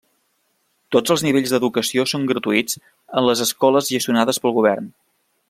Tots els nivells d'educació són gratuïts en les escoles gestionades pel govern.